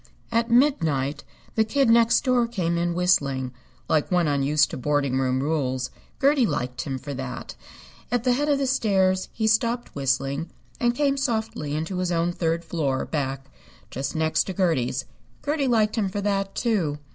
At midnight the Kid Next Door came in whistling, like one unused to boarding house rules. Gertie liked him for that. At the head of the stairs he stopped whistling and came softly into his own third floor back just next to Gertie's. Gertie liked him for that, too.